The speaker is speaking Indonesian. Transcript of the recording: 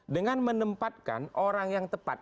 dengan menempatkan orang yang tepat